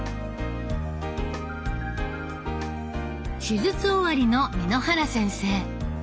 手術終わりの簑原先生。